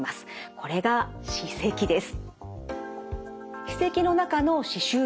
これが歯周病です。